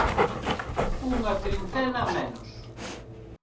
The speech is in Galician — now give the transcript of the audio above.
Unha trintena menos.